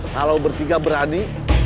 kalau bertiga berani